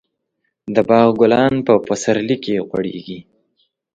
د باغ ګلان په پسرلي کې غوړېږي.